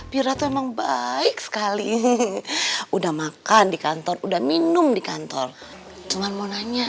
pira tuh emang baik sekali udah makan di kantor udah minum di kantor cuman mau nanya